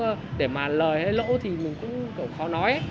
mình cũng để mà lời hay lỗ thì mình cũng khó nói